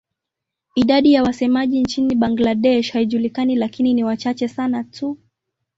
Idadi ya wasemaji nchini Bangladesh haijulikani lakini ni wachache sana tu.